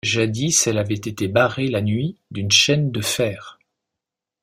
Jadis elle avait été barrée la nuit d’une chaîne de fer.